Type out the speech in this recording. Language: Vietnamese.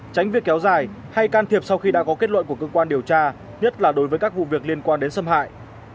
tránh việc kéo dài hay can thiệp sau khi đã có kết luận của cơ quan điều tra nhất là đối với các vụ việc liên quan đến xâm hại